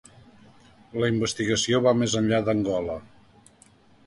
La investigació va més enllà d’Angola.